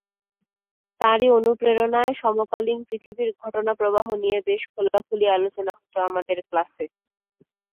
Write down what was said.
তাঁরই অনুপ্রেরণায় সমকালীন পৃথিবীর ঘটনাপ্রবাহ নিয়ে বেশ খোলাখুলি আলোচনা হতো আমাদের ক্লাসে।